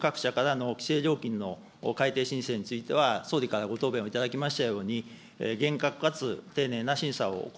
また、電力各社からの規制料金の改定申請については、総理からご答弁をいただきましたように、厳格かつ丁寧な審査を行